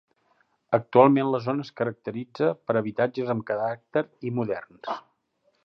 Actualment la zona es caracteritza per habitatges amb caràcter i moderns.